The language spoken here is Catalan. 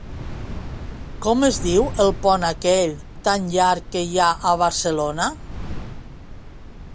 Com es diu el pont aquell tan llarg que hi ha a Barcelona?